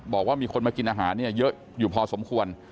บอกว่ามีคนมากินอาหารเนี่ยเยอะอยู่พอสมควร